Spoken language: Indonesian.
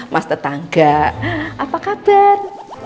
mas tetangga apa kabar